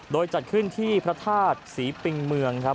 โดยจัดขึ้นที่พระธาตุศรีปิงเมืองครับ